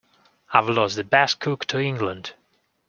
I've lost the best cook to England.